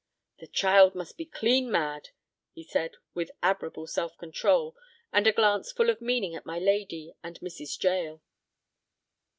"The child must be clean mad," he said, with admirable self control and a glance full of meaning at my lady and Mrs. Jael.